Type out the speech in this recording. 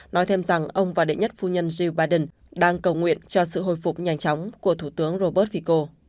nói thêm rằng ông và đệ nhất phu nhân joe biden đang cầu nguyện cho sự hồi phục nhanh chóng của thủ tướng robert fico